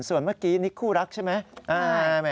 ส่วนเมื่อกี้นี่คู่รักใช่ไหม